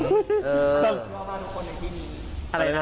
พี่บอกว่าบ้านทุกคนในที่นี่